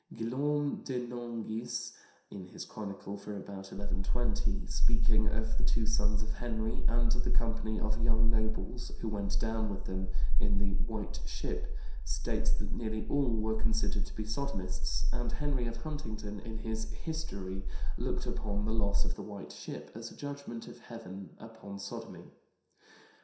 Guillaume de Nangis, in his chronicle for about 1120, speaking of the two sons of Henry and the company of young nobles who went down with them, in the White Ship, states that nearly all were considered to be sodomists, and Henry of Huntingdon, in his History, looked upon the loss of the White Ship as a judgment of heaven upon sodomy.